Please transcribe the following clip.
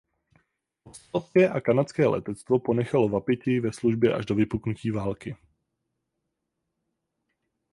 Australské a kanadské letectvo ponechalo Wapiti ve službě až do vypuknutí války.